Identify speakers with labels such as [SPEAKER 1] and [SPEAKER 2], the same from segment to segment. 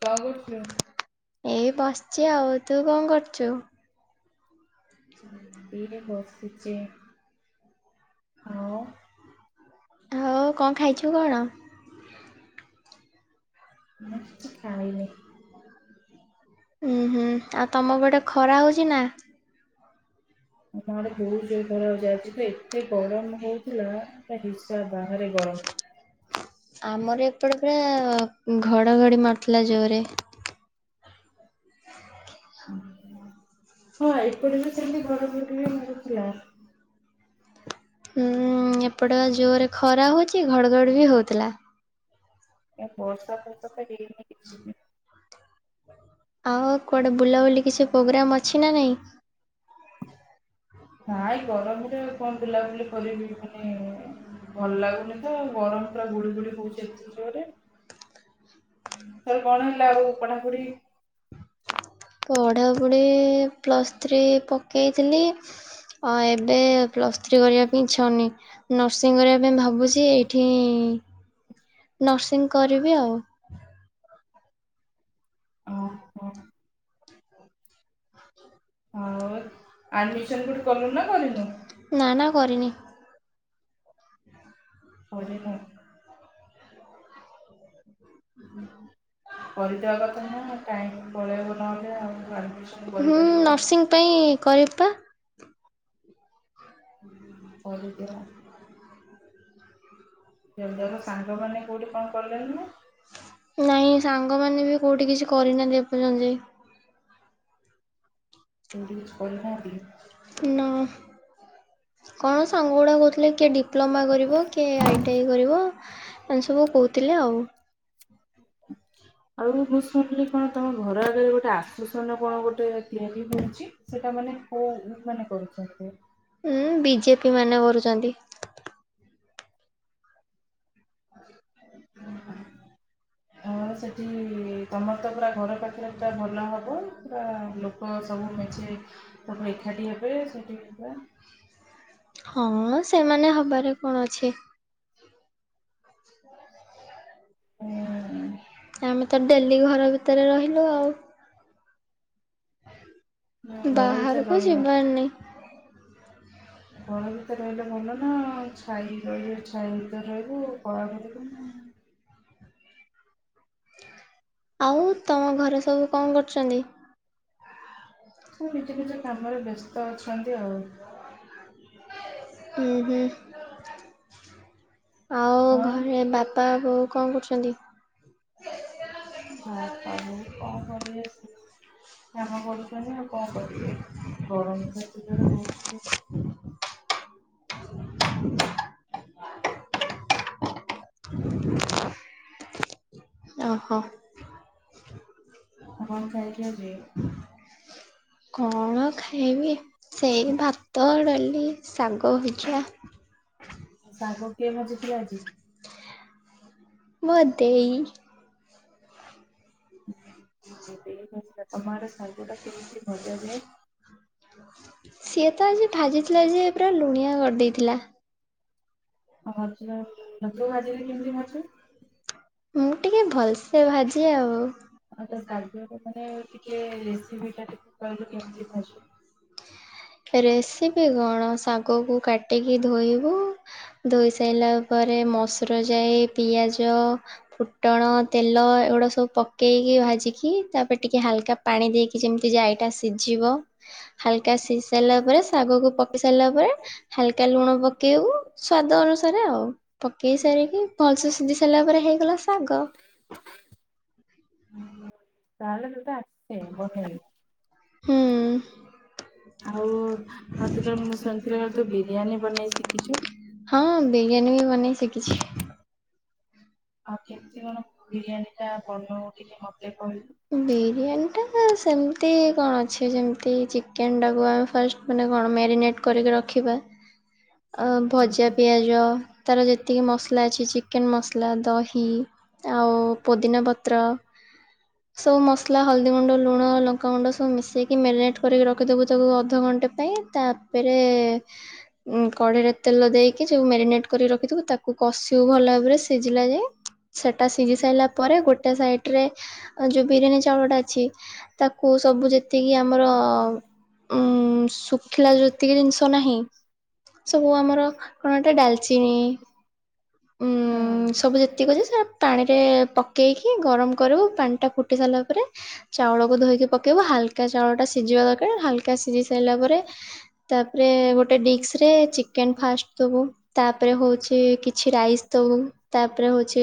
[SPEAKER 1] କଣ କରୁଥିଲେ?
[SPEAKER 2] ଏଇ ବସିଚି ଆଉ ତୁ କଣ କରୁଛୁ?
[SPEAKER 1] ଇଏ ବସିଛି ହଁ।
[SPEAKER 2] ହଉ କଣ ଖାଇଛୁ କଣ? [inaudible] ଉଁ ହୁଁ ଆଉ ତମ ପଟେ ଖରା ହଉଛି ନା?
[SPEAKER 1] ଆମା ଆଡେ ବହୁତ ଜୋର ଖରା ହଉଛି ଆଜି ତ ଏତେ ଗରମ ହଉଥିଲା ହିସା ବାହାରେ ଗରମ।
[SPEAKER 2] ଆମର ଏପଟେ ପୁରା ଘଡଘଡି ମାରୁଥିଲା ଜୋରେ। ହଁ ଏପଟେ ବି ସେମତି ଘଡ଼ଘଡ଼ି ବିଜୁଳି ମାରୁଥିଲା। ହୁଁ ଏପଟେ ଜୋରରେ ଖରା ହେଉଛି ଘଡ଼ଘଡ଼ ବି ହେଉଥିଲା।
[SPEAKER 1] ଏ ବର୍ଷା ଫର୍ଷା ତ ହେଇନି କିଛି ବି
[SPEAKER 2] ଆଉଉ କୁଆଡ଼େ ବୁଲାବୁଲି କିଛି ପ୍ରୋଗ୍ରାମ୍ ଅଛି ନା ନାହିଁ?
[SPEAKER 1] ନାଇା ଗରମରେ କଣ ବୁଲାବୁଲି କରିବି ମାନେ ଭଲ ଲାଗୁନି ତ ଗରମ ପୁରା ଗୁଳି ଗୁଳି ହଉଛି ଏତେ ଜୋରେ। ସରୁ କଣ ହେଲା ଆଉ ପଢାପଢି?
[SPEAKER 2] ପଢ଼ାପଢ଼ି ପ୍ଲସ୍ ଥ୍ରୀ ପକେଇଥିଲି। ହଁ ଏବେ ପ୍ଲସ୍ ଥ୍ରୀ କରିବା ପାଇଁ ଛନି। ନର୍ସିଂ କରିବା ପାଇଁ ଭାବୁଛି ଏଇଠି ନର୍ସିଂ କରିବି ଆଉ। [inaudible]
[SPEAKER 1] ହଉ ଆଡମିସନ କୁଠି କଲୁନ ନା କରିନୁ?
[SPEAKER 2] ନା ନା କରିନି। ଓଁ ହୁଁ ନର୍ସିଂ। ପାଇଁ କରିବି ପା। ହ [inaudible] ସାଙ୍ଗ ମାନେ କଣ କହିଲନୁ ନାଇଁ ସାଙ୍ଗମାନେ ବି କେଉଠି କିଛି କରିନାହାନ୍ତି ଏ ପଯ୍ୟନ୍ତ ବି। ନା। କଣ ସାଙ୍ଗ ଗୁଡ଼ାକ କହୁଥିଲେ କିଏ ଡିପ୍ଲୋମା କରିବ କିଏ ଆଇଟିଆଇ କରିବ ଏମ ସବୁ କହୁଥିଲେ ଆଉ। ହୁ
[SPEAKER 1] ଆଉ ମୁଁ ଶୁଣିଲି କଣ ତମ ଘର ଆଗରେ ଗୋଟେ ଆଶ୍ଵସନ କଣ ଗୋଟେ ତିଆରି ହଉଛି। ସେଇଟା ମାନେ କୋଉ ମାନେ କରୁଛନ୍ତି।
[SPEAKER 2] ଉଁ ବିଜେପି ମାନେ କରୁଛନ୍ତି।
[SPEAKER 1] ହଁ ସେଠି ତମର ତ ପୁରା ଘର ପାଖରେ ପୁରା ଭଲ ହବ ପୁରା ଲ ଲୋକ ସବୁ ମିଛେ ସବୁ ଏକାଠି ହେବେ ସେଠି।
[SPEAKER 2] ହଁ ସେମାନେ ହବାରେ କଣ ଅଛି। ଆମେ ତ ଡେଲି ଘର ଭିତରେ ରହିଲୁ ଆଉ। ବାହାରହାରକୁଛି୍ନି।
[SPEAKER 1] ଗଳା ଭିତରେ ରହିଲେ ଭଲ ନା ଛାଇ ରହିଲ ଛାଇ ଭିତରେ ରହିବୁ କଳା ଗିବୁ
[SPEAKER 2] ଆଉ ତମ ଘରେ ସବୁ କଣ କରୁଛନ୍ତି। ନିଜ ନିଜ କାମରେ ବ୍ୟସ୍ତ ଅଛନ୍ତି ଆଉ ଆଉ ଘରେ ବାପ ପ ବୋଉ କଣ କରୁଛନ୍ତି
[SPEAKER 1] ହଁ ତ ମୁ କଣ କରି ଆସ। କ୍ଷମା କରୁଛନି ଆଉ କଣ କରିବି ଗରମ ସେରେ ହହୁଛି।
[SPEAKER 2] ଓହୋ।
[SPEAKER 1] ହଁ ଖାଇଛଛି
[SPEAKER 2] କଣ ଖାଇବି ସେଇ ଭାତ ଡାଲି ଶାଗ ଶିକ୍କ୍ଷା
[SPEAKER 1] ଶାଗ କିଏ ଭଜିଥିଲା ଆଜି
[SPEAKER 2] ମୋତେ
[SPEAKER 1] ହୁ ଠିକଥିଲା ତମର ଶାଗ ଟା କେମିତି ମଜା ଯାଏ
[SPEAKER 2] ସିଏ ତ ଆଜି ଭାଜିଥିଲା ଯେ ପୁରା ଲୁଣିଆ କରିଦେଇଥିଲା
[SPEAKER 1] ହଁ ତୁ ଭାଜିଲେ କେମିତି ଭାଜୁ
[SPEAKER 2] ମୁଁ ଟିକେ ଭଲସେ ଭାଜି ଆଉ
[SPEAKER 1] ହଁ ତ ସା ମାନେ ଟିକେ ରେସିପି ଟା ଟିକେ କହିଲୁ କେମିତି ଖଜୁ
[SPEAKER 2] ରେସିପି କଣ ଶାଗକୁ କାଟିକି ଧୋଇବୁ ଧୋଇ ସାରିଲା ପରେ ମସୁର ଯାଇ ପିଆଜ ଫୁଟଣ ତେଲ ଏଗୁଡ଼ା ସବୁ ପକେଇକି ଭାଜିକି। ଖ ତାପରେ ଟିକେ ହାଲକା ପାଣି ଦେଇକି ଯେମିତି ଯାଇଟା ସିଝିବ ହାଲକା ସି ସାରିଲା ପରେ ଶାଗକୁ ପକି ସାରିଲା ପରେ ହାଲକା ଲୁଣ ପକେଇବୁ ସ୍ଵାଦ ଅନୁସାରେ ଆଉ। ପକେଇ ସାରିକି ଭଲସ ସିଝି ସାରିଲା ପରେ ହେଇଗଲା ଶାଗ।
[SPEAKER 1] ତାହେଲେ ତୋତେ ଆସଛେ ବେଇ।
[SPEAKER 2] ହୁଁ।
[SPEAKER 1] ଆଉ ମତେ କଳେ ମୁଁ ଶୁଣିଥିଲି ବଳେ ତୁ ବିରିୟାନୀ ବନେଇ ଶିଖିଛୁ
[SPEAKER 2] ହଁ ବିରିୟାନୀ ବି ବନେଇ ଶିଖିଛି।
[SPEAKER 1] ଆଉ କେମିତି କଣ ବିରିୟାନୀ ଟା ବନଉ ଟିକେ ମତେ କହିଲୁ?
[SPEAKER 2] ବିରିୟାନୀଟା ସେମିତି କଣ ଅଛି ଯେମିତି ଚିକେନ ଟାକୁ ଆମେ ଫାଷ୍ଟ ମାନେ କଣ ମ୍ୟାରିନେଟ୍ କରିକି ରଖିବା। ଆ ଭଜା ପିଆଜ ତାର ଯେତିକି ମସଲା ଅଛି ଚିକେନ ମସଲା, ଦହି ଆଉ ପୋଦିନା ପତ୍ର ସବୁ ମସଲା। ହଳଦୀ ଗୁଣ୍ଡ, ଲୁଣ, ଲଙ୍କାଗୁଣ୍ଡ ସବୁ ମିଶେଇକି ମ୍ୟାରିନେଟ୍ କରିକି ରଖିଦେବୁ ତାକୁ ଅଧଘଣ୍ଟେ ପାଇଁ ତା ତାପରେ କଡ଼େଇରେ ତେଲ ଦେଇକି ଯୋଉ ମ୍ୟାରିନେଟ କରି ରଖିଥିବୁ ତାକୁ କୁ କଷିବୁ ଭଲ ଭାବରେ ସିଝିଲା ଯାଏ। ସେଟା ସିଝି ସାରିଲା ପରେ ଗୋଟେ ସାଇଡ଼ରେ ଯୋଉ ବିରିୟାନୀ ଚାଉଳଟା ଅଛି। ତାକୁ ସବୁ ଯେତିକି ଆମର ଉଁ ଶୁଖିଲା ଯେତିକି ଜିନିଷ ନାହିଁ। ସବୁ ଆମର କଣଟା ଡାଲଚିନି
[SPEAKER 1] ହଁ।
[SPEAKER 2] ସବୁ ଯେତିକି ଅଛି ସେ ପାଣିରେ ପକେଇକି ଗରମ କରିବୁ ପାଣିଟା ଫୁଟି ସାରିଲା ପରେ ଚାଉଳକୁ ଧୋଇକି ପକେଇବୁ ହାଲକା ଚାଉଳଟା ସିଝିବା ଦରକାର ହାଲକା ସିଝି ସାରିଲା ପରେ ତାପରେ ଗୋଟେ ଡିସ୍ସରେ ଚିକେନ୍ ଫାଷ୍ଟ ଦେବୁ। ତାପରେ ହଉଛି କିଛି ରାଇସ୍ ଦବୁ। ତାପରେ ହଉଛି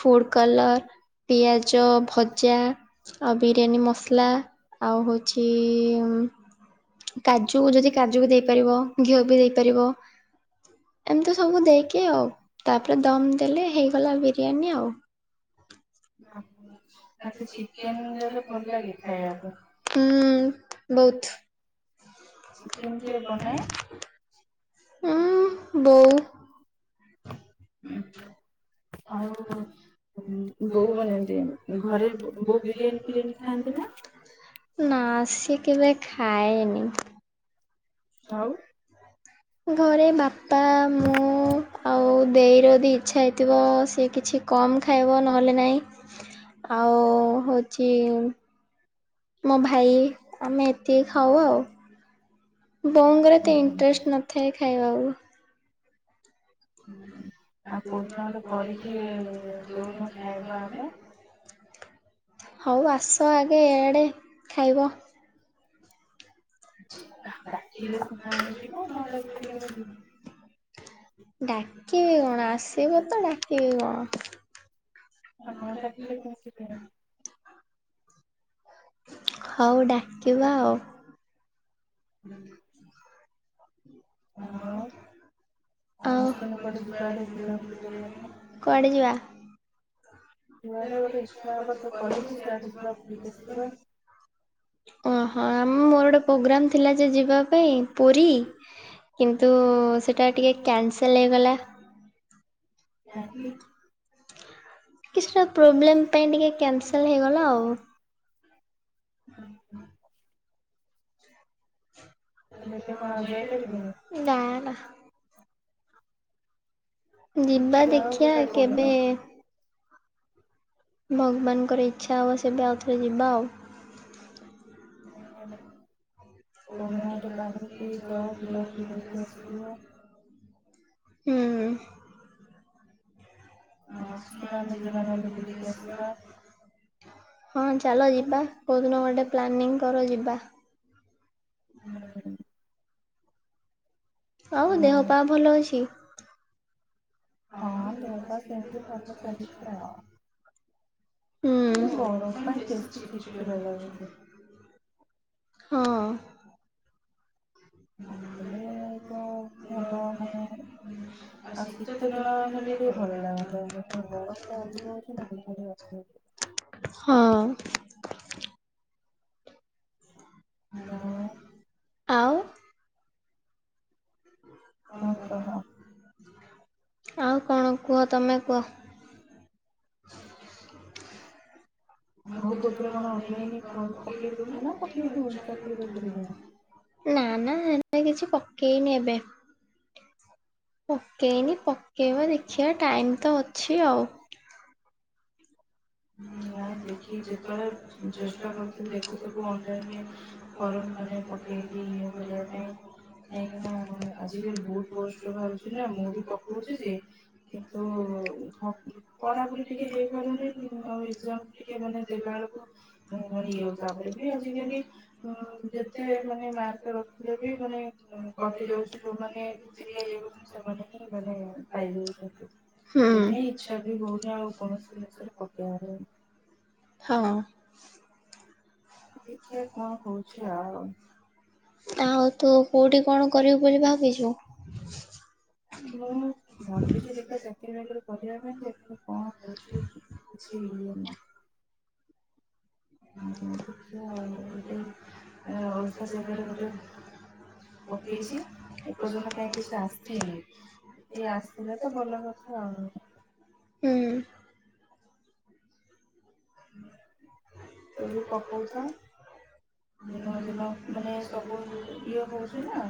[SPEAKER 2] ଫୁଡ଼ କଲର୍, ପିଆଜ ଭଜା ଆଉ ବିରିୟାନୀ ମସଲା ଆଉ ହଉଛି କାଜୁ ଯଦି କାଜୁକୁ ଦେଇପାରିବ ଘିଅ ବି ଦେଇପାରିବ। ଏମିତି ସବୁ ଦେଇକି ଆଉ ତାପରେ ଦମ ଦେଲେ ହେଇଗଲା ବିରିୟାନୀ ଆଉ। ହୁଁ ତାହେଲେ ଚିକେନ ଦେଲେ ଭଲ ଲାଗେ ଖାଇବାକୁ, ହୁଁ। ବହୁତ।
[SPEAKER 1] ଚିକେନ କିଏ ବନାଏ?
[SPEAKER 2] ହୁଁ ବୋଉ। ହୁଁ।
[SPEAKER 1] ହଉ। ହ ବୋଉ ବନାନ୍ତି ଘରେ। ଘରେ ବୋଉ ବିରିୟାନୀ ଫିରିୟାନୀ ଖାଆନ୍ତି ନା?
[SPEAKER 2] ନା ସେ କେବେ ଖାଏନି।
[SPEAKER 1] ଆଉ?
[SPEAKER 2] ଘରେ ବାପା, ମୁଁ ଆଉ ଦେଇର ଯଦି ଇଚ୍ଛା ହେଇଥିବ ସେ କିଛି କମ୍ ଖାଇବ ନହେଲେ ନାହିଁ ଆଉ ହେଉଛି ମୋ ଭାଇ ଆମେ ଏତିକି ଖାଉ ଆଉ। ବୋଉ ଙ୍କର ଏତେ ଇଣ୍ଟରେଷ୍ଟ ନଥାଏ ଖାଇବାକୁ। ହୁଁ।
[SPEAKER 1] ଆଉ କୋଉ ଦିନ ଗୋଟେ କରିକି ଦଉନୁ ଖାଇବା ଆମେ।
[SPEAKER 2] ହଉ ଆସ ଆଗେ ଏଆଡ଼େ ଖାଇବା।
[SPEAKER 1] ଡ଼ାକିଲେ ସିନା ଆମେ ଯିବୁ ନଡ଼ାକିଲେ କେମିତି ଯିବୁ?
[SPEAKER 2] ଡ଼ାକିବି କଣ ଆସିବ ତ ଡାକିବି କଣ?
[SPEAKER 1] ନ ଡ଼ାକିଲେ କେମିତି ଆସିବୁ?
[SPEAKER 2] ହଉ ଡ଼ାକିବା ଆଉ। ଆ କୁଆଡେ ଯିବା?
[SPEAKER 1] କୁଆଡେ ଗୋଟେ ଇଚ୍ଛା ହବ ତୁ କହିବୁ ସିଆଡେ ଯିବା ବୁଲିକି ଆସିବା।
[SPEAKER 2] ଓହଁ ଆମ ମୋର ଗୋଟେ ପ୍ରୋଗ୍ରମ୍ ଥିଲା ଯେ ଯିବା ପାଇଁ ପୁରୀ କିନ୍ତୁ ସେଇଟା ଟିକେ କ୍ୟାନସଲ୍ ହେଇଗଲା। କିଛିଟା ପ୍ରୋବ୍ଲେମ ପାଇଁ ଟିକେ କ୍ୟାନସେଲ ହେଇଗଲା ଆଉ। ହୁଁ, ହୁଁ। ନା ନା। ଯିବା ଦେଖିବା କେବେ। ଭଗବାନଙ୍କର ଇଚ୍ଛା ହବ ସେବେ ଆଉଥରେ ଯିବା ଆଉ
[SPEAKER 1] ପନ୍ଦର ଟେ ବାହାର କେ ଯାଅ ବୁଲା ବୁଲି କରିକି ଆସିବ।
[SPEAKER 2] ହୁଁ। ହ ଝିଅ ଟାକୁ ଧରିକି ଆସିବ ହଁ ଚାଲ ଯିବା କେଉଁଦିନ ଗୋଟେ ପ୍ଲାନିଂ କର ଯିବା।
[SPEAKER 1] ହୁଁ।
[SPEAKER 2] ଆଉ ଦେହ ପା ଭଲ ଅଛି?
[SPEAKER 1] ହଁ ଦେହ ପା ସେମିତି ଭଲ ଚାଲିଛି ଆଉ, ଏଇ ଗରମ ପାଇଁ ବେଶୀ ଚିଡ୍ ଚିଡ଼ା ଲାଗୁଛି।
[SPEAKER 2] ହଁ।
[SPEAKER 1] ହେଲେ ତ ଭଲ ମାନେ, ଆଉ ଶୀତ ଦିନ ହେଲେ ଟିକେ ଭଲ ଲାଗନ ତା ଗରମ ଟା ଅଧିକ ହଉଛି ନା ବିଠା ଟ ଅଧିକ ହଉଛି।
[SPEAKER 2] ହଁ।
[SPEAKER 1] ତ [inaudible]
[SPEAKER 2] ଆଉ ଆଉ କଣ କୁହ ତମେ କୁହ
[SPEAKER 1] ଆଉ କୋଉଥିରେ କଣ ଅନଲାଇନଁ ଫ ପକେଇନ ନା ପକେଇ ଚାକିରି ବାକିରିରେ
[SPEAKER 2] ନା ନା ମୁଁ କିଛି ପକେଇନି ଏବେ ପକେଇନି ପକେଇବା ଦେଖିବା ଟାଇମ୍ ତ ଅଛି ଆଉ
[SPEAKER 1] ନାଇଁ ଦେଖି ଯେତେବେଳେ ଚେଷ୍ଟା କରୁଥିବୁ ଦେଖୁଥବୁ ଅନଲାଇନରେ ଘର ମାନେ ପକେଇକି ଇଏ କରିବା ପାଇଁ କାହିଁକି ନା ଆଜିକାଲି ବହୁତ ପୋଷ୍ଟ ବାହାରୁଛି ନା ମୁଁ ବି ପକଉଛି ଯେ କିନ୍ତୁ ପଢାପଢି ଟିକେ ହେଇପାରୁନି ଆ ଏଜାମ ଟିକେ ମାନେ ଦେଲା ବେଳକୁ ନି ଆଉ ତାପରେ ବି ଆଜିକାଲି ହଁ ଯେତେ ମାନେ ମାର୍କ ରଖିଲେ ବି ମାନେ ବଟି ଯାଉଛି ଯୋଉମାନେ ସେମାନେ ହିଁ ମାନେପାଇଯାଉଛନ୍ତି। ସେଥିପାଇଁ ଇଚ୍ଛା ବି ହଉନି ଆଉ କୌଣସି ଜିନଷରେ ପକେଇବା
[SPEAKER 2] ହଁ
[SPEAKER 1] ଦେଖିବା କଣ କହୁଛି ଆଉ
[SPEAKER 2] ଆଉ ତୁ କେଉଠି କଣ କରିବୁ ବୋଲି ଭାବିଛୁ
[SPEAKER 1] ମୁଁ ଭାବୁଛି ଦେଖିବା ଚାକିରିୀ ବାକିରି କରିବା ପାଇଁ କଣ ହଉଛି ସେଆ [inaudible] ଦେଖିବା ଆଉ ଗୋଟେ ଅଲଗା ଜାଗାରେ ଗୋଟେ
[SPEAKER 2] ପ୍ର ଶା [inaudible]
[SPEAKER 1] ଟ ଆସିଲେ ତ ଭଲ କଥା ଆଉ
[SPEAKER 2] ହୁଁ ହୁଁ
[SPEAKER 1] ତୁବି ପକଉଥା ଦିନ ଦିନ ମାନେ ସବୁ ଇଏ ହଉଛି ନା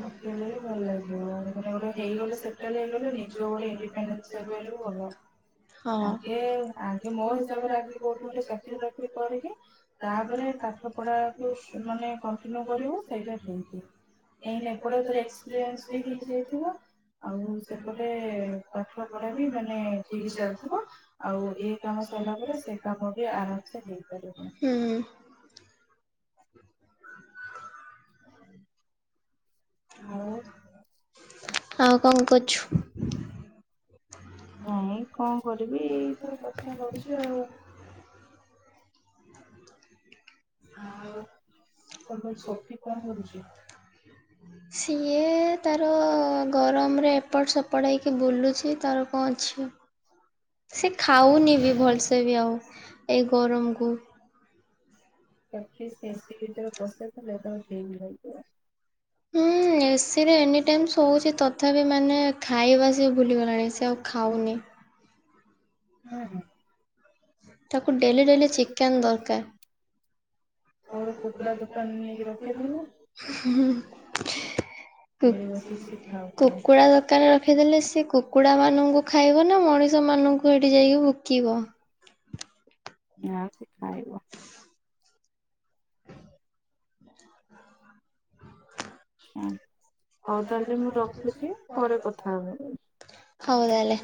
[SPEAKER 1] ପକେଇଲେ ବି ଭଲ ଲାଗିବ ମାନେ ଗୋଟେ ହେଇଗଲେ ସେଟେଲ ହେଇଗଲେ ନିଜ ଗୋଟେ ଇଣ୍ଡି ସେପ ବି ଭଲ ଆଗେ ଆଗେ ମୋ ହିସାବରେ ଆଗେ କୋଉଠି ଗୋଟେ ଚାକିରି ଚାକିର ବାକିରି କରିକି ତାପରେ ପାଠ ପଢା କୁ ମାନେ କଣ୍ଟିନ୍ୟୁ କରିବୁ ସେଇଟା
[SPEAKER 2] ହ [inaudible]
[SPEAKER 1] କାଇଁ ଏପଟେ ଏକ୍ସପିରିସ ହେଇଯାଇଥିବ ଆଉ ସେପଟେ ପାଠ ପଢା ବି ମାନେ ଠିକ ଚାଲିଥିବ ଆଉ ଏ କାମ ସରିଲା ପରେ ସେ କାମ ବି ଆରମ୍ଭ
[SPEAKER 2] ହୁଁ [inaudible] ଆଉ କଣ କରୁଛୁ
[SPEAKER 1] ନାଇଁ କଣ କରିବି ତରେ କଥା ହୁଛି ଆଉ ତମେ ଶଖତି କଣ କରୁଛି
[SPEAKER 2] ସିଏ ତାର ଗରମରେ ଏପଟ ସେପଟ ହେଇକି ବୁଲୁଛି ତାର ହ ଅଛି ସେ ଖାଉନି ବି ଭଲସେ ବି ଆଉ ଏଇ ଗରମକୁ
[SPEAKER 1] ତାିକ ସେ ଏସି ଭିତରେ ପଶେଇଲେ ତା ଟେନ୍ ରଇଗିବ
[SPEAKER 2] ହୁଁ ଏସି ରେ ଏନି ଟାଇମ ଶୋଉଛି ତଥାପି ମାନେ ଖାଇବାସ ଭୁଲିଗଲାଣି ସେ ଆଉ ଖାଉନି ତାକୁ ଡେଲି ଡେଲି ଚିକେନ ଦରକାର
[SPEAKER 1] ଆଉ ଗୋଟେ କୁକୁଡ଼ା ଦୋକାନ ନେଇକି ରଖିଥିଲ ସେ ବ୍ୟ ବସିକ ଶିଖାଉଛୁ
[SPEAKER 2] ଦୋକାନ ରଖିଦେଲେ ସେ କୁକୁଡ଼ାମାନଙ୍କୁ ଖାଇବ ନା ମଣିଷମାନଙ୍କୁ ଏଠି ଯାଇକି ଭୋକିବ
[SPEAKER 1] ଆ ଶି ଖଏବ ହଁ ହଉ ତାହେଲେ ମୁଁ ରଖୁଛି ପରେ କଥା ହବ
[SPEAKER 2] ହଉଦଲେ